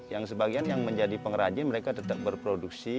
yang sebagian yang menjadi pengrajin mereka tetap berproduksi